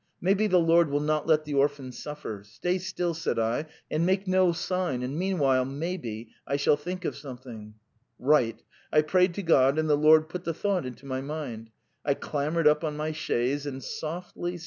Maybe the Lord will not let the orphans suffer. Stay still,' said I, 'and make no sign, and meanwhile, maybe, I shall think of something: 2,4); ) 4) Richt! ocak prayed to God and the Lord put the thought into my mind. ... I clambered up on my chaise and softly